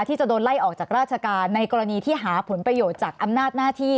ที่จะโดนไล่ออกจากราชการในกรณีที่หาผลประโยชน์จากอำนาจหน้าที่